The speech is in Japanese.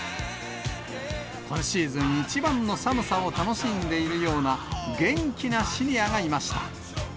今シーズン一番の寒さを楽しんでいるような、元気なシニアがいました。